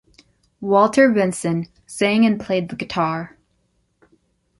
Walter Vinson sang and played the guitar.